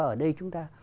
ở đây chúng ta